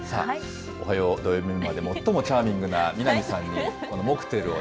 おはよう土曜日メンバーで、最もチャーミングな南さんに、モクテルを。